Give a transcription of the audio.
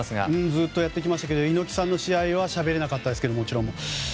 ずっとやってきましたけども猪木さんの試合はしゃべれなかったですけどもちろん。